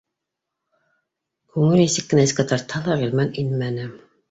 Күңеле нисек кенә эскә тартһа ла, Ғилман инмәне